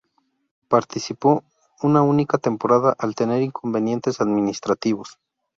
Participó una única temporada, al tener inconvenientes administrativos.